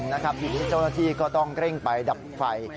ทีนี้เจ้าหน้าที่ก็ต้องเร่งไปดับไฟ